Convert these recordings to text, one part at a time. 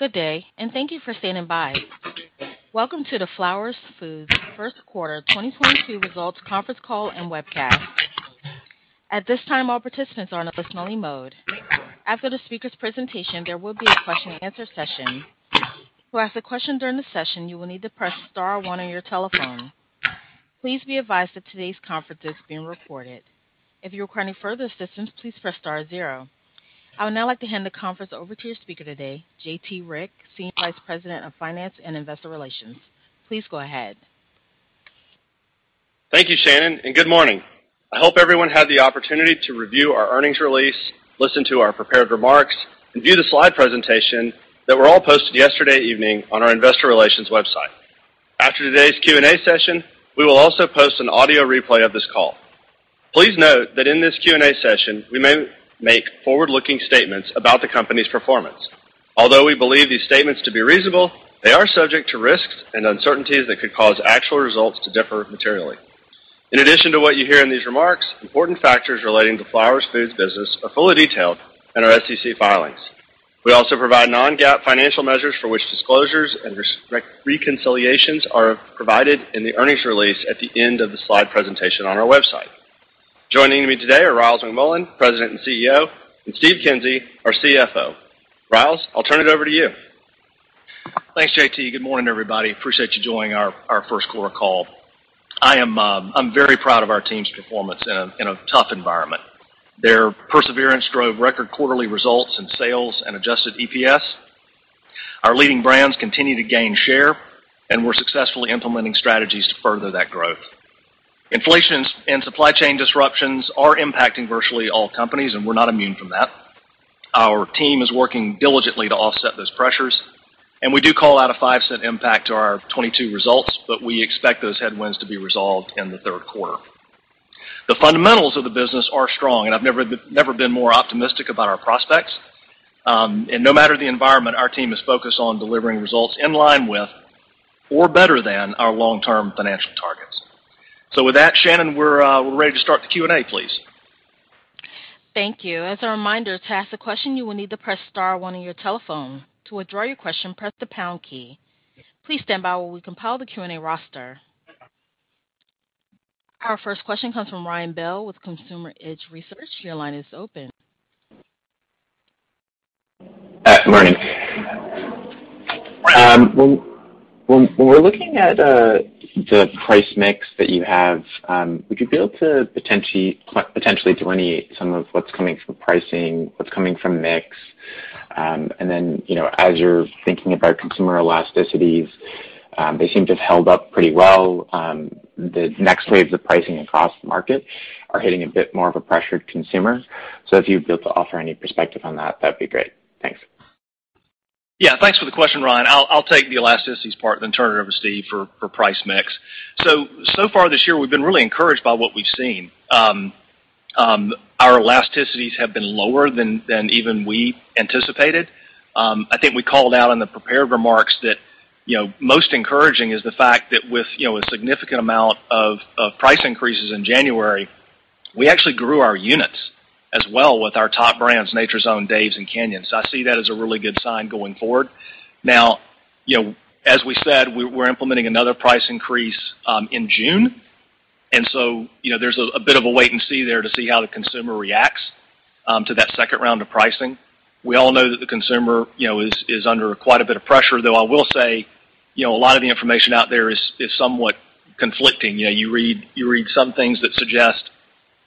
Good day, and thank you for standing by. Welcome to the Flowers Foods Q1 2022 Results Conference Call and Webcast. At this time, all participants are in a listen-only mode. After the speaker's presentation, there will be a question-and-answer session. To ask a question during the session, you will need to press star one on your telephone. Please be advised that today's conference is being recorded. If you require any further assistance, please press star zero. I would now like to hand the conference over to your speaker today, J.T. Rieck, Senior Vice President of Finance and Investor Relations. Please go ahead. Thank you, Shannon, and good morning. I hope everyone had the opportunity to review our earnings release, listen to our prepared remarks, and view the slide presentation that were all posted yesterday evening on our investor relations website. After today's Q&A session, we will also post an audio replay of this call. Please note that in this Q&A session we may make forward-looking statements about the company's performance. Although we believe these statements to be reasonable, they are subject to risks and uncertainties that could cause actual results to differ materially. In addition to what you hear in these remarks, important factors relating to Flowers Foods business are fully detailed in our SEC filings. We also provide non-GAAP financial measures for which disclosures and reconciliations are provided in the earnings release at the end of the slide presentation on our website. Joining me today are Ryals McMullian, President and CEO, and Steve Kinsey, our CFO. Ryals, I'll turn it over to you. Thanks, J.T. Good morning, everybody. I appreciate you joining our Q1 call. I'm very proud of our team's performance in a tough environment. Their perseverance drove record quarterly results in sales and adjusted EPS. Our leading brands continue to gain share, and we're successfully implementing strategies to further that growth. Inflation and supply chain disruptions are impacting virtually all companies, and we're not immune from that. Our team is working diligently to offset those pressures, and we do call out a $0.05 impact to our 2022 results, but we expect those headwinds to be resolved in the Q3. The fundamentals of the business are strong, and I've never been more optimistic about our prospects. No matter the environment, our team is focused on delivering results in line with or better than our long-term financial targets. With that, Shannon, we're ready to start the Q&A, please. Thank you. As a reminder, to ask a question, you will need to press star one on your telephone. To withdraw your question, press the pound key. Please stand by while we compile the Q&A roster. Our first question comes from Ryan Bell with Consumer Edge Research. Your line is open. Morning. When we're looking at the price mix that you have, would you be able to potentially delineate some of what's coming from pricing, what's coming from mix? Then, you know, as you're thinking about consumer elasticities, they seem to have held up pretty well. The next waves of pricing across the market are hitting a bit more of a pressured consumer. If you'd be able to offer any perspective on that'd be great. Thanks. Yeah, thanks for the question, Ryan. I'll take the elasticities part then turn it over to Steve for price mix. So far this year, we've been really encouraged by what we've seen. Our elasticities have been lower than even we anticipated. I think we called out in the prepared remarks that, you know, most encouraging is the fact that with, you know, a significant amount of price increases in January, we actually grew our units as well with our top brands, Nature's Own, Dave's, and Canyon. So I see that as a really good sign going forward. Now, you know, as we said, we're implementing another price increase in June. You know, there's a bit of a wait and see there to see how the consumer reacts to that second round of pricing. We all know that the consumer, you know, is under quite a bit of pressure, though I will say, you know, a lot of the information out there is somewhat conflicting. You know, you read some things that suggest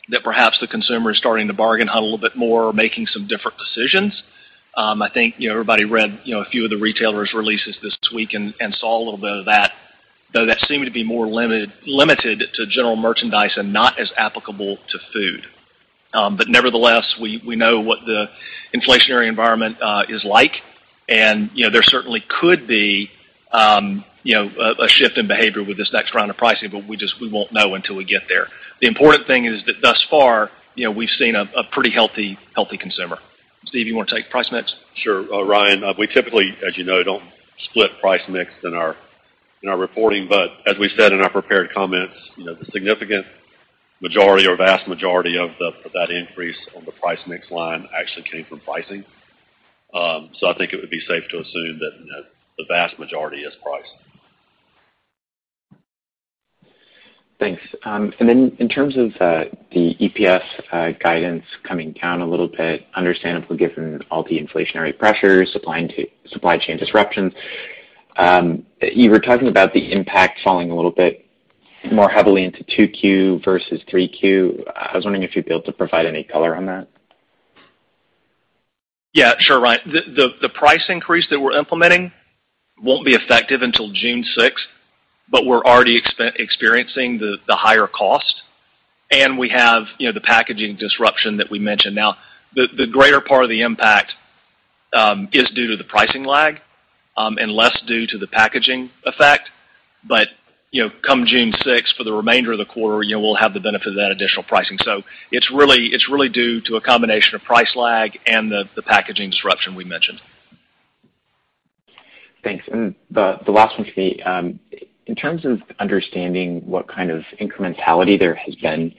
that perhaps the consumer is starting to bargain hunt a little bit more or making some different decisions. I think, you know, everybody read, you know, a few of the retailers' releases this week and saw a little bit of that, though that seemed to be more limited to general merchandise and not as applicable to food. But nevertheless, we know what the inflationary environment is like. You know, there certainly could be a shift in behavior with this next round of pricing, but we just won't know until we get there. The important thing is that thus far, you know, we've seen a pretty healthy consumer. Steve, you wanna take price mix? Sure. Ryan, we typically, as you know, don't split price mix in our reporting. As we said in our prepared comments, you know, the significant majority or vast majority of that increase on the price mix line actually came from pricing. I think it would be safe to assume that, you know, the vast majority is price. Thanks. In terms of the EPS guidance coming down a little bit, understandably, given all the inflationary pressures, supply chain disruptions, you were talking about the impact falling a little bit more heavily into Q2 versus Q3. I was wondering if you'd be able to provide any color on that. Yeah, sure, Ryan. The price increase that we're implementing won't be effective until June 6th, but we're already experiencing the higher cost, and we have, you know, the packaging disruption that we mentioned. Now, the greater part of the impact is due to the pricing lag, and less due to the packaging effect. You know, come June 6th, for the remainder of the quarter, you know, we'll have the benefit of that additional pricing. It's really due to a combination of price lag and the packaging disruption we mentioned. Thanks. The last one for me. In terms of understanding what kind of incrementality there has been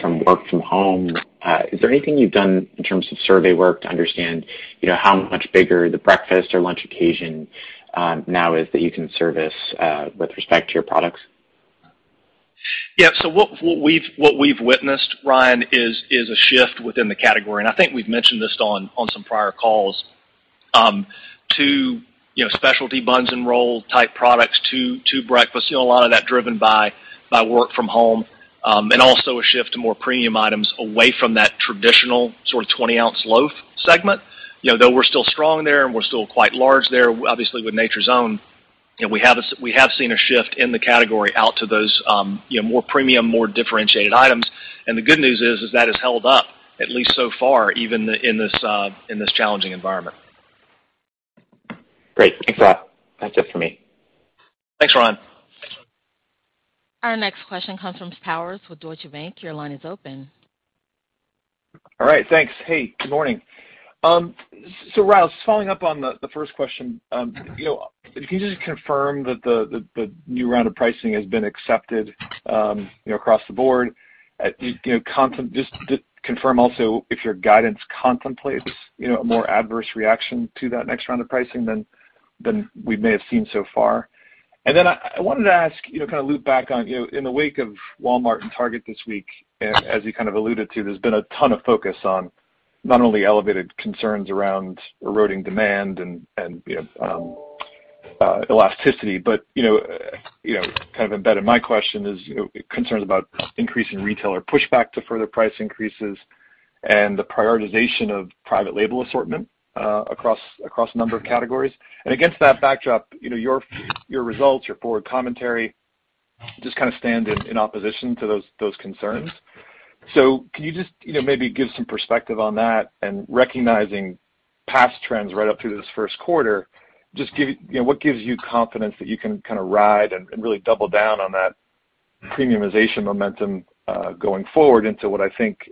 from work from home, is there anything you've done in terms of survey work to understand, you know, how much bigger the breakfast or lunch occasion now is that you can service with respect to your products? Yeah. What we've witnessed, Ryan, is a shift within the category, and I think we've mentioned this on some prior calls to specialty buns and roll-type products to breakfast. You know, a lot of that driven by work from home and also a shift to more premium items away from that traditional sort of 20-ounce loaf segment. You know, though we're still strong there and we're still quite large there, obviously with Nature's Own, you know, we have seen a shift in the category out to those, you know, more premium, more differentiated items. The good news is that has held up at least so far, even in this challenging environment. Great. Thanks a lot. That's it for me. Thanks, Ryan. Our next question comes from Powers with Deutsche Bank. Your line is open. All right. Thanks. Hey, good morning. Ryals, following up on the first question, you know, can you just confirm that the new round of pricing has been accepted, you know, across the board? Just confirm also if your guidance contemplates, you know, a more adverse reaction to that next round of pricing than we may have seen so far. I wanted to ask, you know, kinda loop back on, you know, in the wake of Walmart and Target this week, and as you kind of alluded to, there's been a ton of focus on not only elevated concerns around eroding demand and you know elasticity, but you know kind of embedded my question is, you know, concerns about increasing retailer pushback to further price increases and the prioritization of private label assortment across a number of categories. Against that backdrop, you know, your results, your forward commentary just kind of stand in opposition to those concerns. Can you just, you know, maybe give some perspective on that? Recognizing past trends right up through this Q1, just, you know, what gives you confidence that you can kinda ride and really double down on that premiumization momentum, going forward into what I think,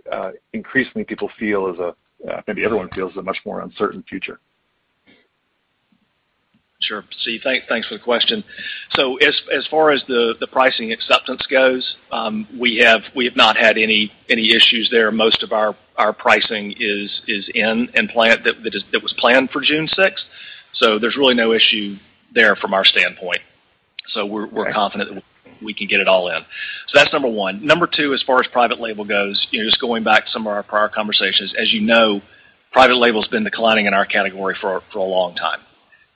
increasingly people feel is a, maybe everyone feels a much more uncertain future. Sure. Steve, thanks for the question. As far as the pricing acceptance goes, we have not had any issues there. Most of our pricing is in and planned, that is, that was planned for June 6th. There's really no issue there from our standpoint. We're confident we can get it all in. That's number one. Number two, as far as private label goes, you know, just going back to some of our prior conversations, as you know, private label's been declining in our category for a long time,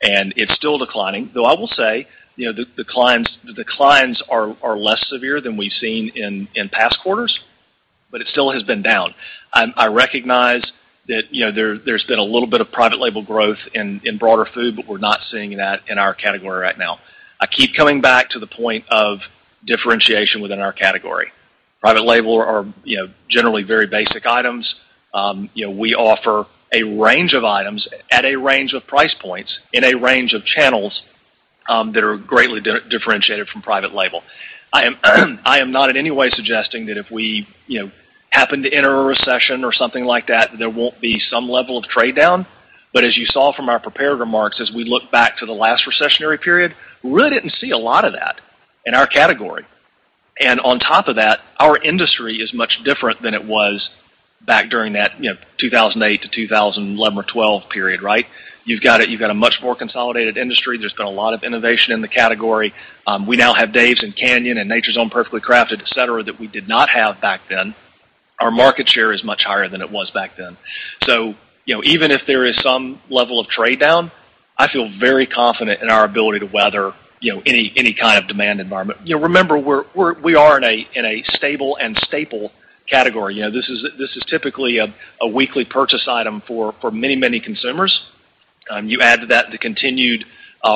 and it's still declining. Though I will say, you know, the declines are less severe than we've seen in past quarters, but it still has been down. I recognize that, you know, there's been a little bit of private label growth in broader food, but we're not seeing that in our category right now. I keep coming back to the point of differentiation within our category. Private label are, you know, generally very basic items. You know, we offer a range of items at a range of price points in a range of channels, that are greatly differentiated from private label. I am not in any way suggesting that if we, you know, happen to enter a recession or something like that, there won't be some level of trade down. As you saw from our prepared remarks, as we look back to the last recessionary period, we really didn't see a lot of that in our category. On top of that, our industry is much different than it was back during that, you know, 2008 to 2011 or 2012 period, right? You've got a much more consolidated industry. There's been a lot of innovation in the category. We now have Dave's and Canyon and Nature's Own Perfectly Crafted, et cetera, that we did not have back then. Our market share is much higher than it was back then. You know, even if there is some level of trade down, I feel very confident in our ability to weather, you know, any kind of demand environment. You know, remember we are in a stable and staple category. You know, this is typically a weekly purchase item for many consumers. You add to that the continued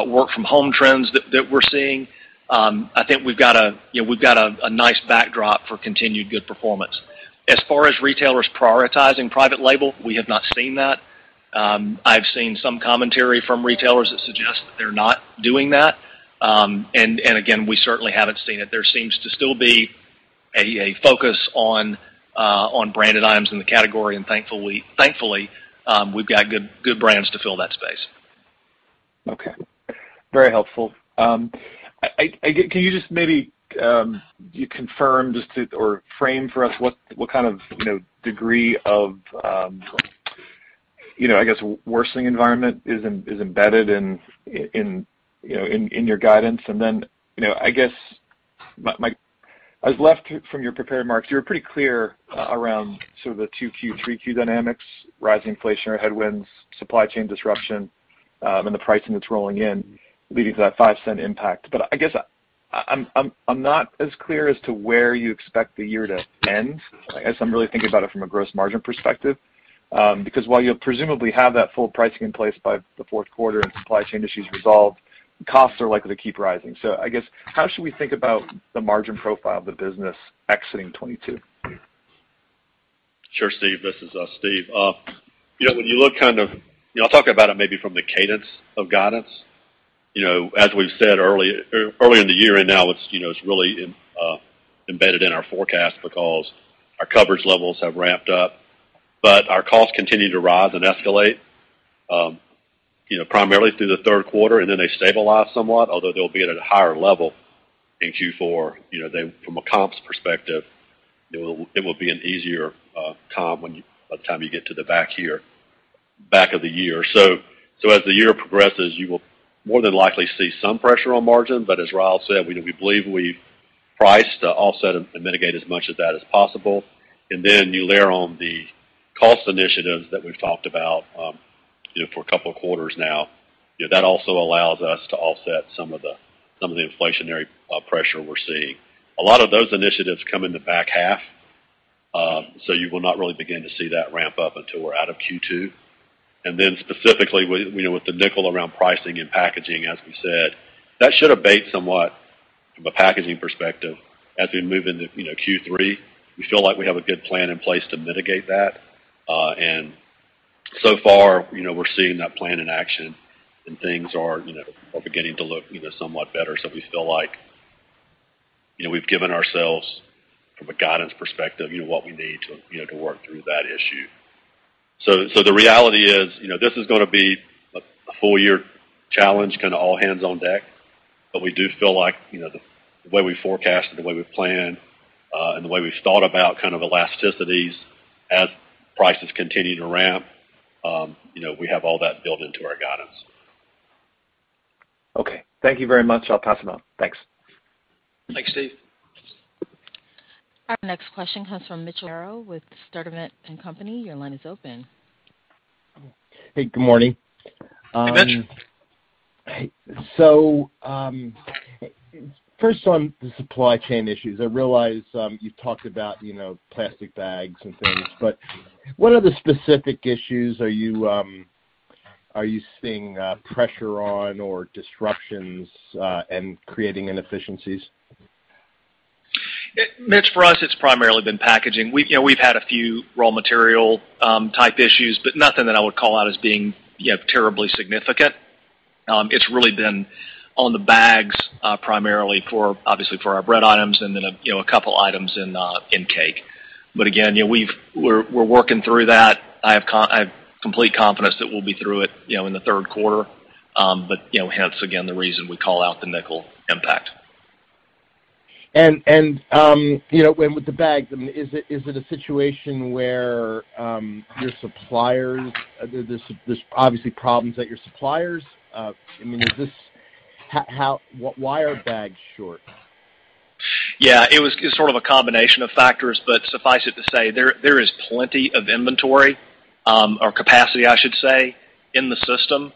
work from home trends that we're seeing. I think you know we've got a nice backdrop for continued good performance. As far as retailers prioritizing private label, we have not seen that. I've seen some commentary from retailers that suggest that they're not doing that. Again, we certainly haven't seen it. There seems to still be a focus on branded items in the category, and thankfully, we've got good brands to fill that space. Okay. Very helpful. Can you just maybe confirm just to, or frame for us what kind of, you know, degree of, you know, I guess worsening environment is embedded in your guidance? Then, you know, I guess I was left from your prepared remarks, you were pretty clear around sort of the Q2, Q3 dynamics, rising inflationary headwinds, supply chain disruption, and the pricing that's rolling in leading to that $0.05 impact. I guess I'm not as clear as to where you expect the year to end. I guess I'm really thinking about it from a gross margin perspective. Because while you'll presumably have that full pricing in place by the Q4 and supply chain issues resolved, costs are likely to keep rising. I guess, how should we think about the margin profile of the business exiting 2022? Sure, Steve. This is Steve. You know, I'll talk about it maybe from the cadence of guidance. You know, as we've said early in the year and now it's really embedded in our forecast because our coverage levels have ramped up. Our costs continue to rise and escalate primarily through the Q3, and then they stabilize somewhat, although they'll be at a higher level in Q4. You know, from a comps perspective, it will be an easier comp by the time you get to the back of the year. As the year progresses, you will more than likely see some pressure on margin. As Ryals said, you know, we believe we've priced to offset and mitigate as much of that as possible. You layer on the cost initiatives that we've talked about, you know, for a couple of quarters now. You know, that also allows us to offset some of the inflationary pressure we're seeing. A lot of those initiatives come in the back half, so you will not really begin to see that ramp up until we're out of Q2. Specifically with the Nature's Own around pricing and packaging, as we said, that should abate somewhat from a packaging perspective as we move into Q3. We feel like we have a good plan in place to mitigate that. So far, you know, we're seeing that plan in action and things are beginning to look, you know, somewhat better. We feel like, you know, we've given ourselves, from a guidance perspective, you know, what we need to, you know, to work through that issue. The reality is, you know, this is gonna be a full year challenge, kinda all hands on deck. We do feel like, you know, the way we forecast and the way we plan and the way we've thought about kind of elasticities as prices continue to ramp, you know, we have all that built into our guidance. Okay. Thank you very much. I'll pass it on. Thanks. Thanks, Steve. Our next question comes from Mitchell Pinheiro with Sturdivant & Company. Your line is open. Hey, good morning. Hey, Mitch. Hey. First on the supply chain issues, I realize, you've talked about, you know, plastic bags and things. What other specific issues are you seeing pressure on or disruptions and creating inefficiencies? Mitch, for us, it's primarily been packaging. You know, we've had a few raw material type issues, but nothing that I would call out as being, you know, terribly significant. It's really been on the bags, primarily for obviously for our bread items and then, you know, a couple items in cake. Again, you know, we're working through that. I have complete confidence that we'll be through it, you know, in the Q3. You know, hence again, the reason we call out the nickel impact. You know, and with the bags, I mean, is it a situation where your suppliers, there's obviously problems at your suppliers? I mean, is this how? Why are bags short? Yeah, it was sort of a combination of factors, but suffice it to say, there is plenty of inventory or capacity, I should say, in the system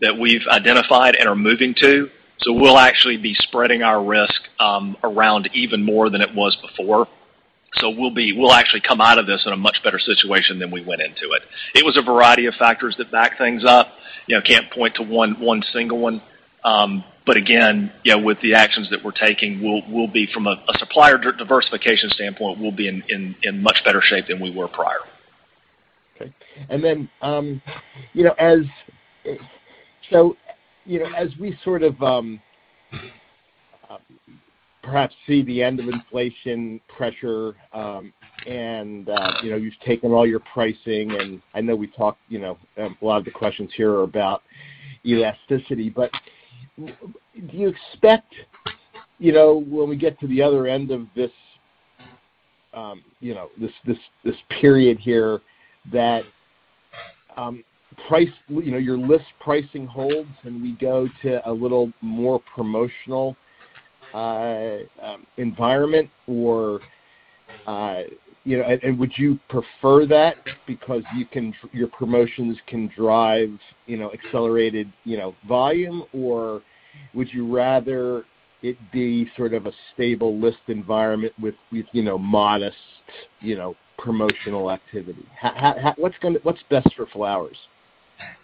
that we've identified and are moving to. We'll actually be spreading our risk around even more than it was before. We'll actually come out of this in a much better situation than we went into it. It was a variety of factors that backed things up. You know, can't point to one single one. Again, you know, with the actions that we're taking, we'll be from a supplier diversification standpoint, we'll be in much better shape than we were prior. You know, as we sort of perhaps see the end of inflation pressure, and you know, you've taken all your pricing, and I know we talked, you know, a lot of the questions here are about elasticity. Do you expect, you know, when we get to the other end of this, you know, this period here that price, you know, your list pricing holds and we go to a little more promotional environment or you know? Would you prefer that because your promotions can drive, you know, accelerated, you know, volume? Or would you rather it be sort of a stable list environment with you know, modest, you know, promotional activity? How? What's best for Flowers?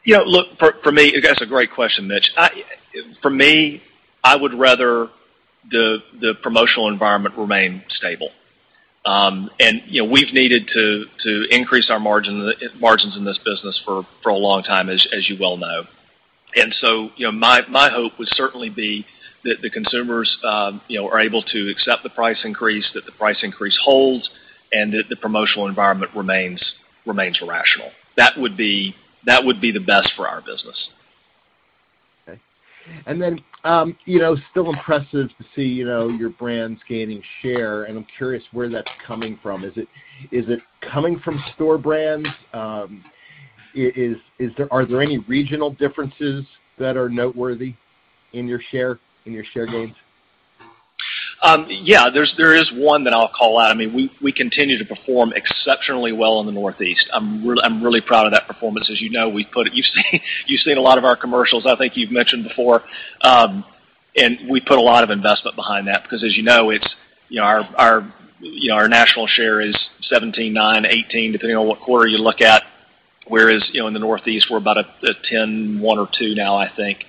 You know, look, for me, that's a great question, Mitch. For me, I would rather the promotional environment remain stable. You know, we've needed to increase our margins in this business for a long time, as you well know. You know, my hope would certainly be that the consumers, you know, are able to accept the price increase, that the price increase holds, and that the promotional environment remains rational. That would be the best for our business. Okay. You know, still impressive to see, you know, your brands gaining share, and I'm curious where that's coming from. Is it coming from store brands? Are there any regional differences that are noteworthy in your share gains? Yeah, there's one that I'll call out. I mean, we continue to perform exceptionally well in the Northeast. I'm really proud of that performance. As you know, you've seen a lot of our commercials. I think you've mentioned before. We put a lot of investment behind that because as you know, our national share is 17.9%-18%, depending on what quarter you look at, whereas you know, in the Northeast, we're about 10.1 or 10.2 now, I think.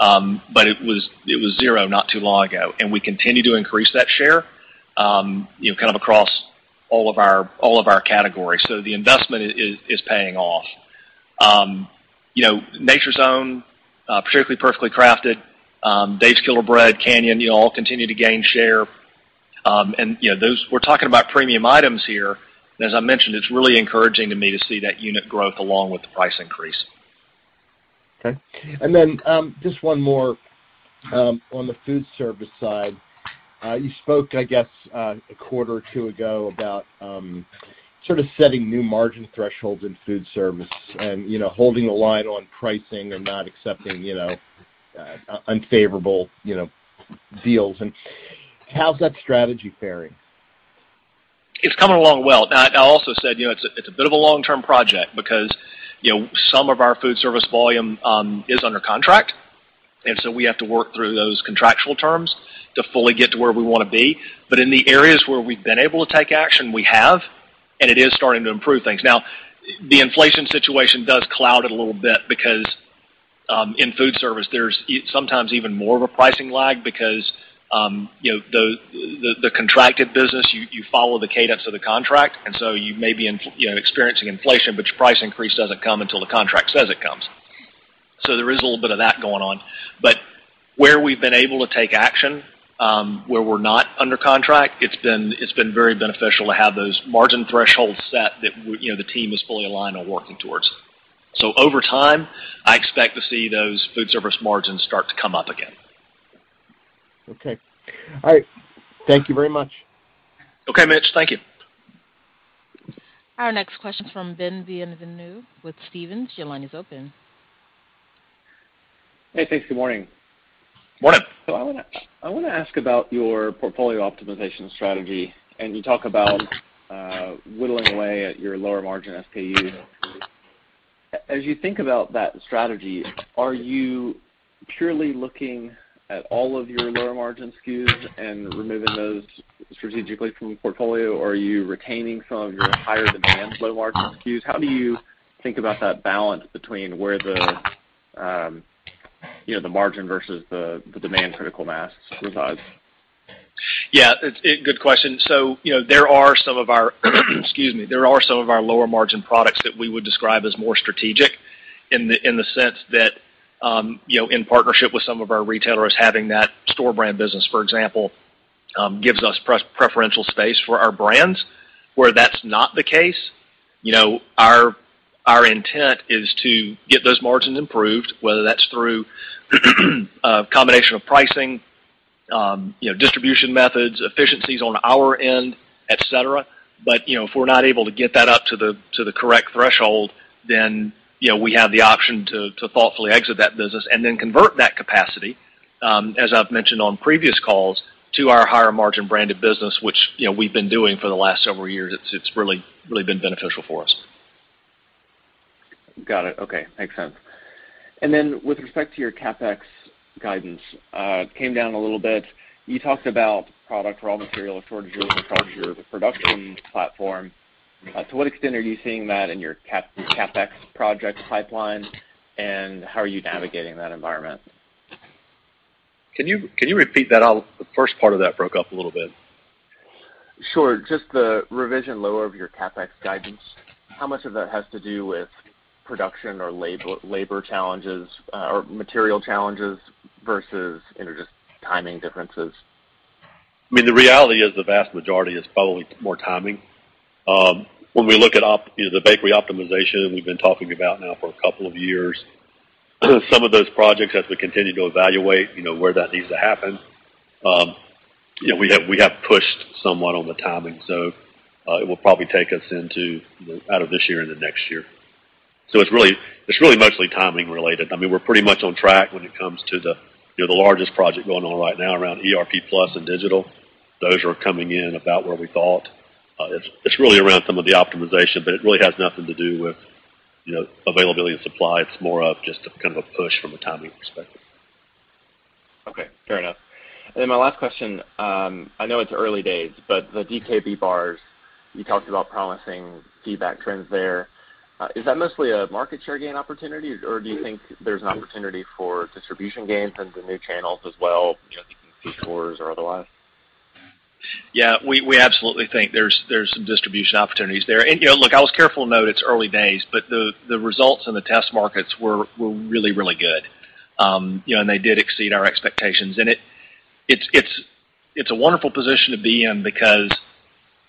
It was zero not too long ago, and we continue to increase that share, you know, kind of across all of our categories. The investment is paying off. You know, Nature's Own, particularly Perfectly Crafted, Dave's Killer Bread, Canyon, you know, all continue to gain share, and, you know, those, we're talking about premium items here. As I mentioned, it's really encouraging to me to see that unit growth along with the price increase. Okay. Just one more on the food service side. You spoke, I guess, a quarter or two ago about sort of setting new margin thresholds in food service and, you know, holding the line on pricing and not accepting, you know, unfavorable, you know, deals. How's that strategy faring? It's coming along well. Now, I also said, you know, it's a bit of a long-term project because, you know, some of our food service volume is under contract, and so we have to work through those contractual terms to fully get to where we wanna be. But in the areas where we've been able to take action, we have, and it is starting to improve things. Now, the inflation situation does cloud it a little bit because in food service, there's sometimes even more of a pricing lag because, you know, the contracted business, you follow the cadence of the contract, and so you may be experiencing inflation, but your price increase doesn't come until the contract says it comes. There is a little bit of that going on. Where we've been able to take action, where we're not under contract, it's been very beneficial to have those margin thresholds set that you know, the team is fully aligned on working towards. Over time, I expect to see those food service margins start to come up again. Okay. All right. Thank you very much. Okay, Mitchell. Thank you. Our next question is from Ben Bienvenu with Stephens. Your line is open. Hey, thanks. Good morning. Morning. I wanna ask about your portfolio optimization strategy, and you talk about whittling away at your lower margin SKU. As you think about that strategy, are you purely looking at all of your lower margin SKUs and removing those strategically from the portfolio, or are you retaining some of your higher demand low margin SKUs? How do you think about that balance between where the you know the margin versus the demand critical mass resides? Yeah, it's a good question. You know, there are some of our lower margin products that we would describe as more strategic in the sense that, you know, in partnership with some of our retailers, having that store brand business, for example, gives us preferential space for our brands. Where that's not the case, you know, our intent is to get those margins improved, whether that's through a combination of pricing, you know, distribution methods, efficiencies on our end, et cetera. You know, if we're not able to get that up to the correct threshold, then you know, we have the option to thoughtfully exit that business and then convert that capacity, as I've mentioned on previous calls, to our higher margin branded business, which you know, we've been doing for the last several years. It's really been beneficial for us. Got it. Okay. Makes sense. With respect to your CapEx guidance, came down a little bit. You talked about product, raw material shortages production platform. To what extent are you seeing that in your CapEx project pipeline, and how are you navigating that environment? Can you repeat that? The first part of that broke up a little bit. Sure. Just the revision lower of your CapEx guidance, how much of that has to do with production or labor challenges, or material challenges versus, you know, just timing differences? I mean, the reality is the vast majority is probably more timing. When we look at you know, the bakery optimization we've been talking about now for a couple of years, some of those projects as we continue to evaluate, you know, where that needs to happen, you know, we have pushed somewhat on the timing. It will probably take us into out of this year into next year. It's really mostly timing related. I mean, we're pretty much on track when it comes to you know, the largest project going on right now around ERP plus and digital. Those are coming in about where we thought. It's really around some of the optimization, but it really has nothing to do with you know, availability and supply. It's more of just a kind of a push from a timing perspective. Okay. Fair enough. My last question, I know it's early days, but the DKB bars, you talked about promising feedback trends there. Is that mostly a market share gain opportunity, or do you think there's an opportunity for distribution gains in terms of new channels as well, you know, through stores or otherwise? Yeah. We absolutely think there's some distribution opportunities there. You know, look, I was careful to note it's early days, but the results in the test markets were really good. You know, they did exceed our expectations. It's a wonderful position to be in because,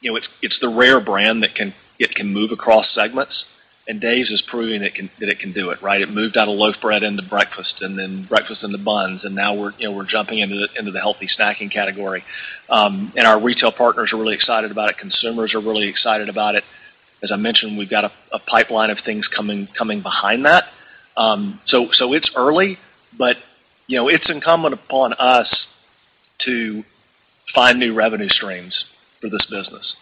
you know, it's the rare brand that can move across segments, and Dave's is proving it can do it, right? It moved out of loaf bread into breakfast and then breakfast into buns, and now you know, we're jumping into the healthy snacking category. Our retail partners are really excited about it. Consumers are really excited about it. As I mentioned, we've got a pipeline of things coming behind that. It's early, but, you know, it's incumbent upon us to find new revenue streams for this business.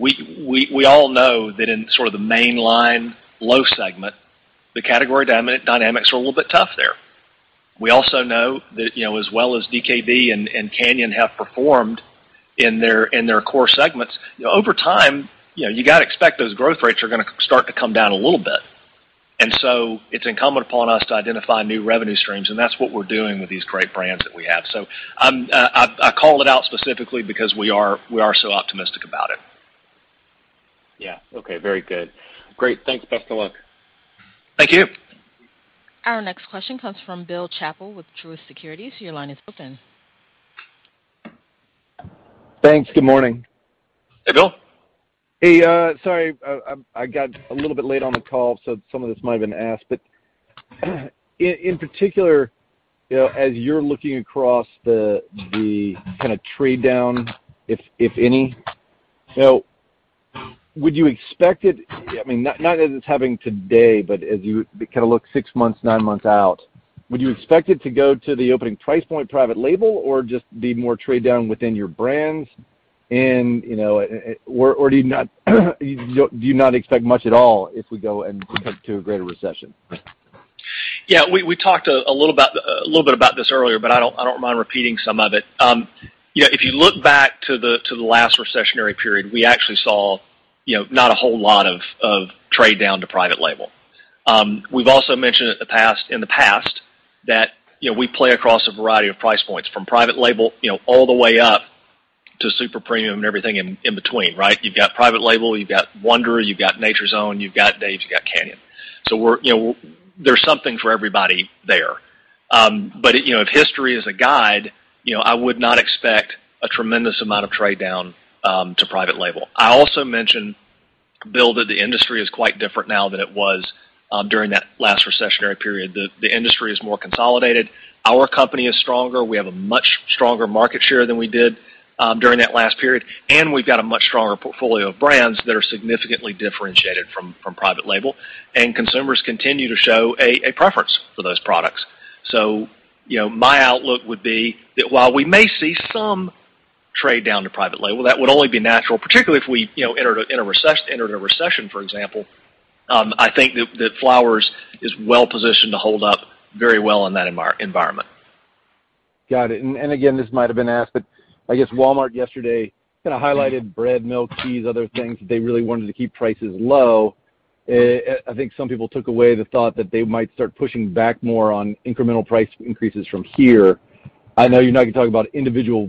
We all know that in sort of the mainline loaf segment, the category dynamics are a little bit tough there. We also know that, you know, as well as DKB and Canyon have performed in their core segments, over time, you know, you gotta expect those growth rates are gonna start to come down a little bit. It's incumbent upon us to identify new revenue streams, and that's what we're doing with these great brands that we have. I'm calling it out specifically because we are so optimistic about it. Yeah. Okay, very good. Great. Thanks. Best of luck. Thank you. Our next question comes from Bill Chappell with Truist Securities. Your line is open. Thanks. Good morning. Hey, Bill. Hey, sorry, I got a little bit late on the call, so some of this might have been asked. In particular, you know, as you're looking across the kinda trade down, if any, would you expect it. I mean, not as it's happening today, but as you kinda look six months, nine months out, would you expect it to go to the opening price point private label, or just be more trade down within your brands. You know, or do you not expect much at all if we go to a greater recession. Yeah. We talked a little bit about this earlier, but I don't mind repeating some of it. You know, if you look back to the last recessionary period, we actually saw, you know, not a whole lot of trade down to private label. We've also mentioned in the past that, you know, we play across a variety of price points, from private label, you know, all the way up to super premium and everything in between, right? You've got private label, you've got Wonder, you've got Nature's Own, you've got Dave's, you've got Canyon. So, you know, there's something for everybody there. But, you know, if history is a guide, you know, I would not expect a tremendous amount of trade down to private label. I also mentioned, Bill, that the industry is quite different now than it was during that last recessionary period. The industry is more consolidated. Our company is stronger. We have a much stronger market share than we did during that last period, and we've got a much stronger portfolio of brands that are significantly differentiated from private label, and consumers continue to show a preference for those products. You know, my outlook would be that while we may see some trade down to private label, that would only be natural, particularly if we, you know, entered a recession, for example. I think that Flowers is well-positioned to hold up very well in that environment. Got it. Again, this might have been asked, but I guess Walmart yesterday kinda highlighted bread, milk, cheese, other things that they really wanted to keep prices low. I think some people took away the thought that they might start pushing back more on incremental price increases from here. I know you're not gonna talk about individual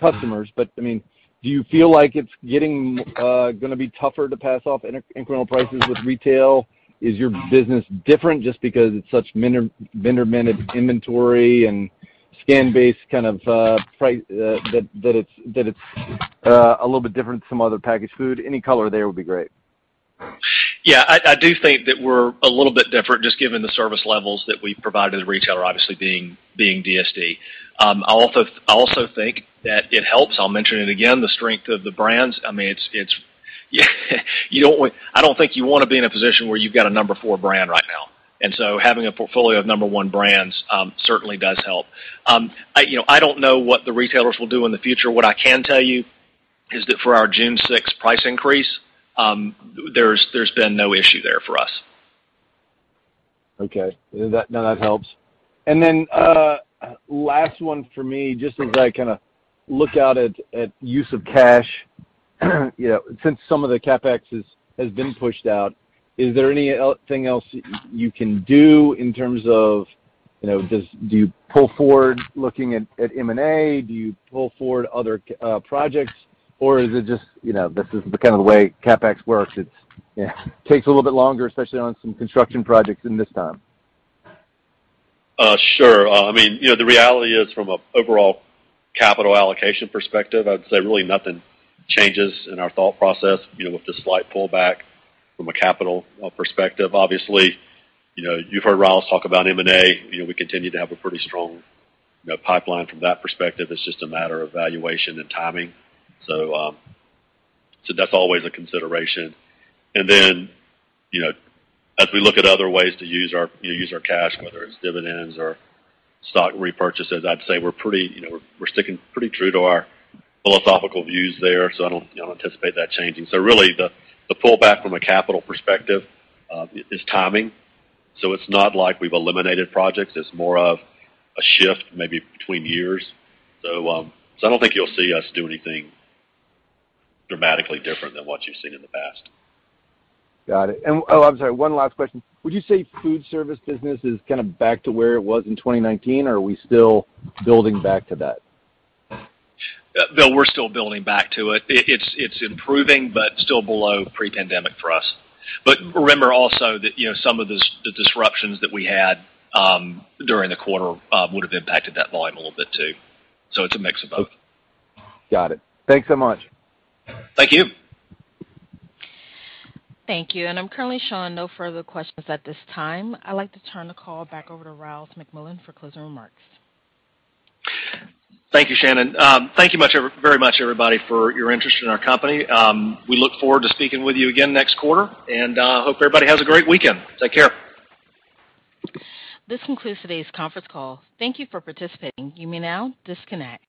customers, but I mean, do you feel like it's gonna be tougher to pass off incremental prices with retail? Is your business different just because it's such vendor managed inventory and scan-based kind of that it's a little bit different from other packaged food? Any color there would be great. Yeah. I do think that we're a little bit different just given the service levels that we provide as a retailer, obviously being DSD. I also think that it helps. I'll mention it again, the strength of the brands. I mean, I don't think you wanna be in a position where you've got a number four brand right now. Having a portfolio of number one brands, certainly does help. You know, I don't know what the retailers will do in the future. What I can tell you is that for our June 6th price increase, there's been no issue there for us. Okay. That helps. Then last one for me, just as I kinda look out at use of cash, you know, since some of the CapEx has been pushed out, is there anything else you can do in terms of, you know, do you pull forward looking at M&A? Do you pull forward other projects? Or is it just, you know, this is the kind of the way CapEx works, it's, you know, takes a little bit longer, especially on some construction projects at this time. Sure. I mean, you know, the reality is from an overall capital allocation perspective, I'd say really nothing changes in our thought process, you know, with the slight pullback from a capital perspective. Obviously, you know, you've heard Ryals talk about M&A. You know, we continue to have a pretty strong, you know, pipeline from that perspective. It's just a matter of valuation and timing. So that's always a consideration. Then, you know, as we look at other ways to use our cash, whether it's dividends or stock repurchases, I'd say we're pretty, you know, we're sticking pretty true to our philosophical views there, so I don't, you know, anticipate that changing. So really the pullback from a capital perspective is timing. It's not like we've eliminated projects. It's more of a shift maybe between years. I don't think you'll see us do anything dramatically different than what you've seen in the past. Got it. Oh, I'm sorry, one last question. Would you say food service business is kinda back to where it was in 2019 or are we still building back to that? Bill, we're still building back to it. It's improving but still below pre-pandemic for us. Remember also that, you know, some of the disruptions that we had during the quarter would have impacted that volume a little bit too. It's a mix of both. Got it. Thanks so much. Thank you. Thank you. I'm currently showing no further questions at this time. I'd like to turn the call back over to Ryals McMullian for closing remarks. Thank you, Shannon. Thank you very much, everybody, for your interest in our company. We look forward to speaking with you again next quarter and hope everybody has a great weekend. Take care. This concludes today's conference call. Thank you for participating. You may now disconnect.